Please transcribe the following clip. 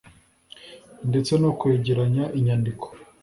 ndetse no kwegeranya inyandiko